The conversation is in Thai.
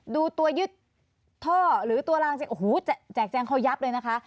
ดูตัวยึดท่อหรือตัวลางสิโอ้โหแจกแจงเขายับเลยนะคะ